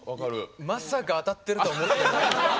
まさか当たってるとは思ってなかった。